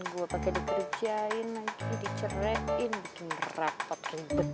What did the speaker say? gue pake dikerjain di cerain bikin merapat ribet